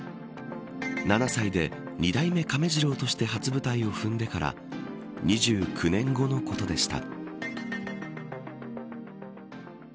７歳で、二代目亀治郎として初舞台を踏んでから２９年後のことでした。